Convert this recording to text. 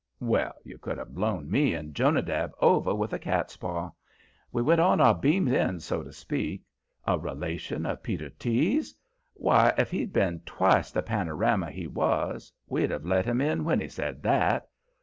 Well, you could have blown me and Jonadab over with a cat's paw. We went on our beam ends, so's to speak. A relation of Peter T.'s; why, if he'd been twice the panorama he was we'd have let him in when he said that.